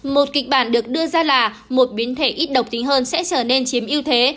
một kịch bản được đưa ra là một biến thể ít độc tính hơn sẽ trở nên chiếm ưu thế